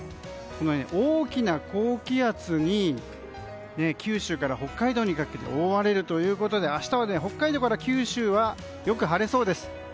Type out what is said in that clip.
大きな高気圧に九州から北海道にかけて覆われるということで明日は北海道から九州は良く晴れそうです。